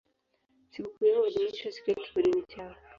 Sikukuu yao huadhimishwa siku ya kifodini chao.